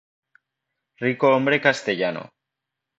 Ricohombre castellano.